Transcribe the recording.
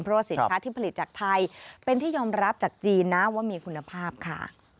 เพราะว่าสินค้าที่ผลิตจากไทยเป็นที่ยอมรับจากจีนนะว่ามีคุณภาพค่ะ